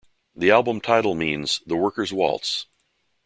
The album title means "The Worker's Waltz".